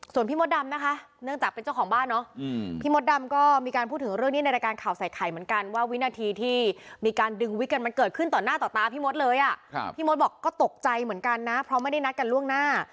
ส่วนพี่มดดำนะคะเนื่องจากเป็นเจ้าของบ้านเนาะพี่มดดำก็มีการพูดถึงเรื่องนี้ในรายการข่าวใส่ไข่เหมือนกันว่าวินาทีที่มีการดึงวิกกันมันเกิดขึ้นต่อหน้าต่อตาพี่มดเลยอ่ะพี่มดบอกก็ตกใจเหมือนกันนะเพราะไม่ได้นัดกันล่วงหน้า